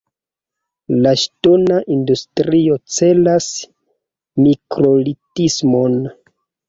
La ŝtona industrio celas mikrolitismon.